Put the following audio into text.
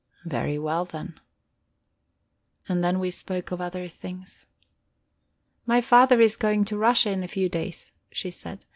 "Very well, then." And then we spoke of other things. "My father is going to Russia in a few days," she said.